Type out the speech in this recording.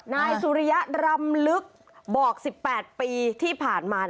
นายสุริยะรำลึกบอก๑๘ปีที่ผ่านมา